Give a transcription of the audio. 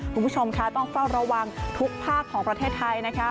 คุณผู้ชมค่ะต้องเฝ้าระวังทุกภาคของประเทศไทยนะคะ